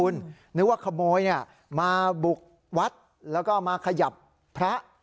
นึกว่าขโมยมาบุกวัดแล้วก็มาขยับพระ